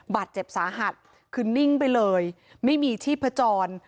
บาดเจ็บสาหัสคือนิ่งไปเลยไม่มีชีพจร